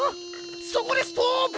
そこでストップ！